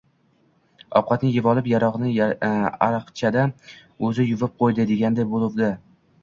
– Ovqatni yevolib, yalog‘ini ariqchada o‘zi yuvib qo‘ydi, deganday bo‘luvdi